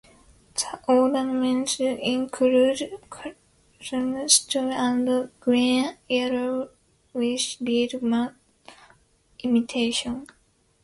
The ornaments include rhomboids, stripes and a green-yellowish reed mat imitation.